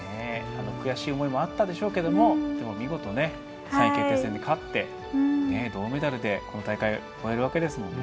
悔しい思いもあったでしょうけど見事３位決定戦で勝って銅メダルでこの大会を終えるわけですもんね。